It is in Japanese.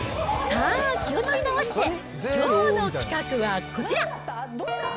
さあ、気を取り直して、きょうの企画はこちら。